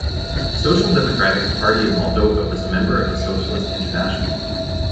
Social-Democratic Party of Moldova was a member of the Socialist International.